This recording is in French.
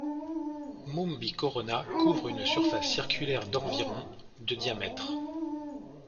Moombi Corona couvre une surface circulaire d'environ de diamètre.